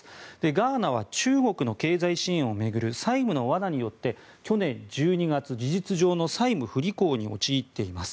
ガーナは中国の経済支援を巡る債務の罠によって去年１２月事実上の債務不履行に陥っています。